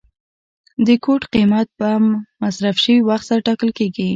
د کوټ قیمت په مصرف شوي وخت سره ټاکل کیږي.